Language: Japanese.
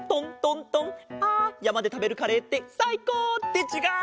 あやまでたべるカレーってさいこう！ってちがう！